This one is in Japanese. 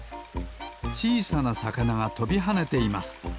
ちいさなさかながとびはねています。